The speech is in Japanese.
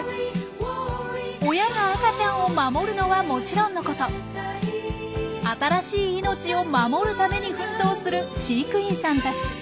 親が赤ちゃんを守るのはもちろんのこと新しい命を守るために奮闘する飼育員さんたち。